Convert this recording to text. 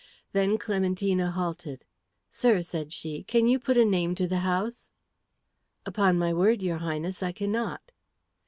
Then Clementina halted. "Sir," said she, "can you put a name to the house?" "Upon my word, your Highness, I cannot."